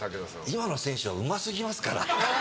今の選手はうますぎますから。